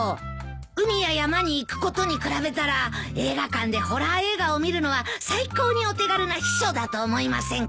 海や山に行くことに比べたら映画館でホラー映画を見るのは最高にお手軽な避暑だと思いませんか？